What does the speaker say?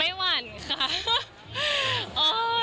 ไม่หวั่นค่ะ